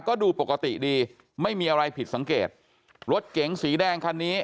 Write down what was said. ก็ดูปกติดีไม่มีอะไรผิดสังเกตรถเก๋งสีแดงคันนี้